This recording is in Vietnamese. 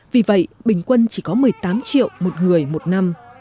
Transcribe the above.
vì vậy bình quân chỉ có một mươi tám triệu một người một năm